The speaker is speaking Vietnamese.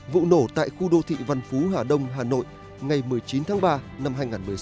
vụ nổ tại khu đô thị văn phú hà đông hà nội ngày một mươi chín tháng ba năm hai nghìn một mươi sáu